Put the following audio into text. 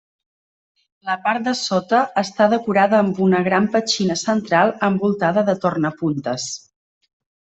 La part de sota està decorada amb una gran petxina central envoltada de tornapuntes.